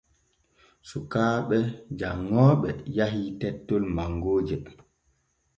Sukaaɓe janŋooɓe yahii tettol mangooje.